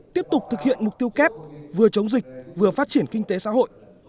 tiếp tục thực hiện mục tiêu kép vừa chống dịch vừa phát triển kinh tế xã hội